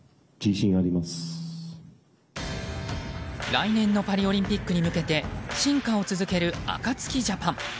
来年のパリオリンピックに向けて進化を続けるアカツキジャパン。